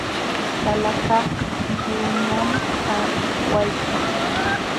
Salakaq lliwñam parwaykan.